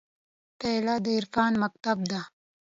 پیاله د عرفان مکتب ده.